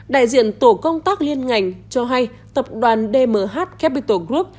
đại diện tổ công tác liên ngành cho hay tập đoàn dmh capital group